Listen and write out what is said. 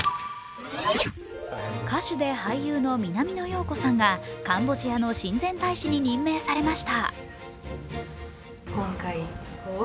歌手で俳優の南野陽子さんがカンボジアの親善大使に任命されました。